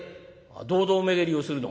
「堂々巡りをするの？」。